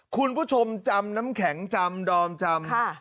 คุณผู้ชมจำน้ำแข็งจำดอมจำ